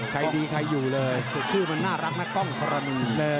ใครดีใครอยู่เลยแต่ชื่อมันน่ารักนะกล้องธรณีเลย